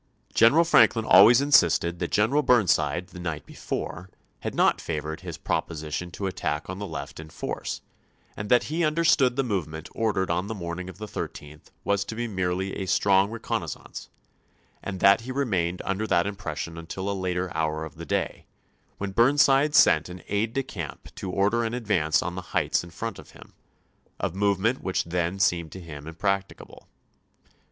Greneral Franklin always insisted that G eneral Burnside the night before had not favored his prop osition to attack on the left in force, and that he understood the movement ordered on the morning of the 13th was to be merely a strong reconnais sance, and that he remained under that impression until a later hour of the day, when Burnside sent an aide de camp to order an advance on the heights in front of him — a movement which then seemed to him impracticable.